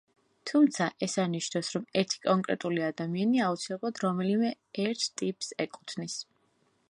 თუმცა ეს არ ნიშნავს, რომ ერთი კონკრეტული ადამიანი აუცილებლად რომელიმე ერთ ტიპს ეკუთვნის.